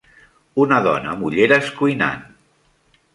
Una dona amb ulleres cuinant.